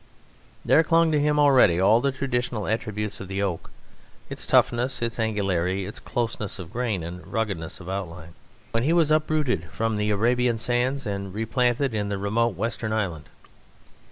There clung to him already all the traditional attributes of the oak its toughness, its angularity, its closeness of grain and ruggedness of outline when he was uprooted from the Arabian sands and replanted in the remote western island.